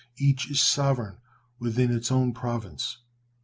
Each is sovereign within its own province.